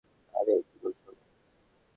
আরে কি বলছো?